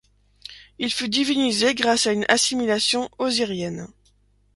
Il fut divinisé grâce à une assimilation osirienne.